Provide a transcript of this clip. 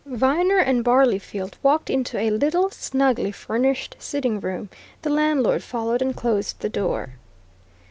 Viner and Barleyfield walked into a little snugly furnished sitting room; the landlord followed and closed the door.